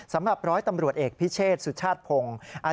สำหรับร้อยตำรวจเอกพิเชษสุชาติพงศ์